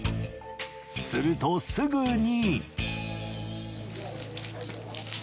するとすぐに。